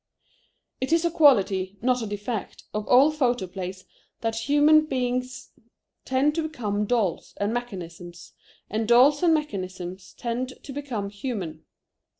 It is a quality, not a defect, of all photoplays that human beings tend to become dolls and mechanisms, and dolls and mechanisms tend to become human.